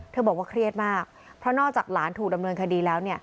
บอกว่าเครียดมากเพราะนอกจากหลานถูกดำเนินคดีแล้ว